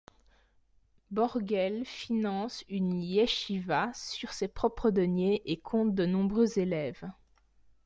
Borgel finance une yeshiva sur ses propres deniers et compte de nombreux élèves.